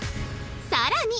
さらに